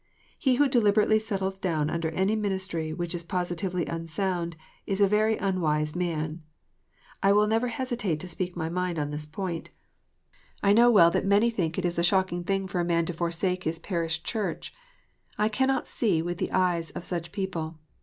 He who deliberately settles down under any ministry which is positively unsound, is a very unwise man. I will never hesitate to speak my mind on this point. I know 3*74 KNOTS UNTIED. well that many think it a shocking thing for a man to forsake his parish church. I cannot see with the eyes of such people.